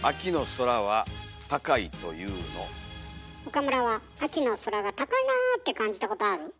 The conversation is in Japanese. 岡村は秋の空が高いなって感じたことある？